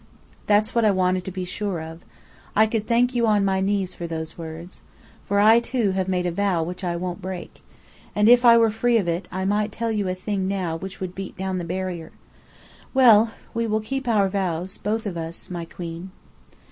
'" "That's what I wanted to be sure of. I could thank you on my knees for those words. For I, too, have made a vow which I won't break. And if I were free of it, I might tell you a thing now which would beat down the barrier. Well! We will keep our vows, both of us, my Queen."